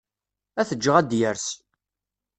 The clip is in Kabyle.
Ad t-ǧǧeɣ ad yers.